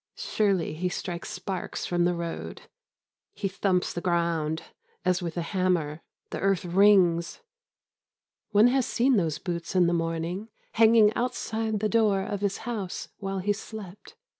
Surely, he strikes sparks from the road. He thumps the ground as with a hammer. The earth rings. One has seen those boots in the morning hanging outside the door of his house while he slept.